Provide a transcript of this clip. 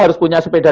harus punya sepeda